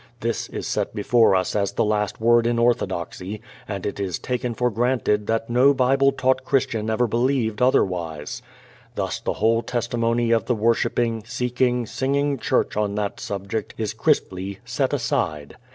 This is set before us as the last word in orthodoxy, and it is taken for granted that no Bible taught Christian ever believed otherwise. Thus the whole testimony of the worshipping, seeking, singing Church on that subject is crisply set aside.